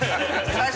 最初。